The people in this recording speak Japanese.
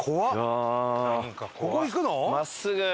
真っすぐ。